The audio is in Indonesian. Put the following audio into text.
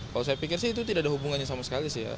kalau saya pikir sih itu tidak ada hubungannya sama sekali sih ya